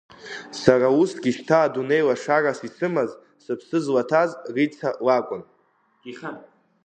Сара усгьы шьҭа дунеи лашарас исымаз, сыԥсы злаҭаз Риҵа лакәын.